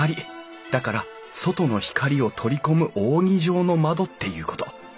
だから外の光を採り込む扇状の窓っていうこと。